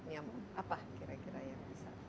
yang apa kira kira yang bisa